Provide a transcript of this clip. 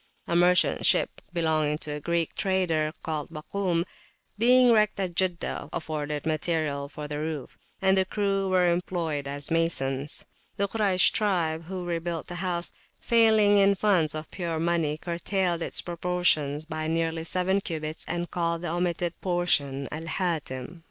A merchant ship belonging to a Greek trader, called Bakum ([Arabic]), being wrecked at Jeddah, afforded material for the roof, and the crew were employed as masons. The Kuraysh tribe, who rebuilt the house, failing in funds of pure money, curtailed its proportions by nearly seven cubits and called the omitted portion Al Hatim.